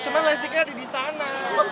cuma light stick nya ada di sana